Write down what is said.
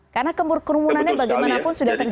karena kerumunannya bagaimanapun sudah terjadi pak riza